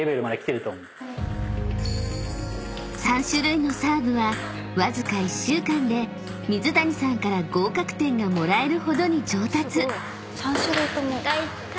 ［３種類のサーブはわずか１週間で水谷さんから合格点がもらえるほどに上達］